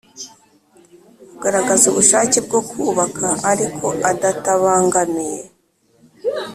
ugaragaza ubushake bwo kubaka ariko adatabangamiye